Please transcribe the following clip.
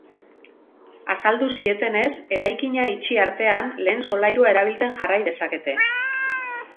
Azaldu zietenez, eraikina itxi artean, lehen solairua erabiltzen jarrai dezakete.